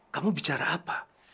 kamu bicara apa